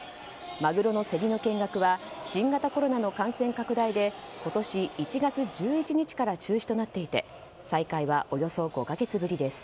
マグロの競りの見学は新型コロナの感染拡大で今年１月１１日から中止となっていて再開はおよそ５か月ぶりです。